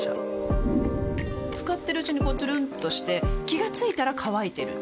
使ってるうちにこうトゥルンとして気が付いたら乾いてる